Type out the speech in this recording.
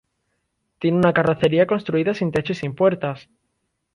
Tiene una carrocería construida sin techo y sin puertas.